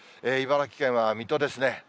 茨城県は水戸ですね。